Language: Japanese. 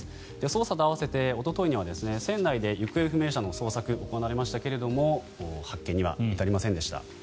操作と併せておとといには船内で行方不明者の捜索が行われましたが発見には至りませんでした。